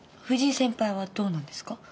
藤井先輩はどうなんですか？